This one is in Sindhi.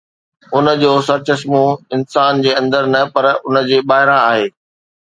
ان جو سرچشمو انسان جي اندر نه، پر ان جي ٻاهران آهي.